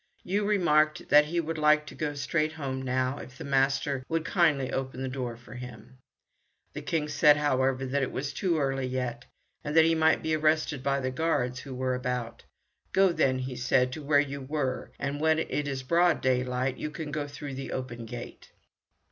Yoo remarked that he would like to go straight home now, if the master would kindly open the door for him. The King said, however, that it was too early yet, and that he might be arrested by the guards who were about. "Go then," said he, "to where you were, and when it is broad daylight you can go through the open gate."